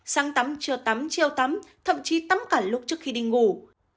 sáng tắm chiều tắm chiều tắm thậm chí tắm cả lúc trước khi đi ngủ